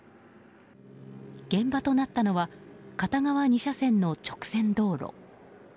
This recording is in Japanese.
現場となったのは片側２車線の直線道路。